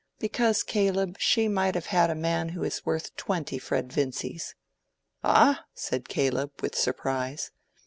"Because, Caleb, she might have had a man who is worth twenty Fred Vincy's." "Ah?" said Caleb, with surprise.